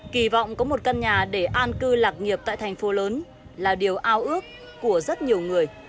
kỳ vọng có một căn nhà để an cư lạc nghiệp tại thành phố lớn là điều ao ước của rất nhiều người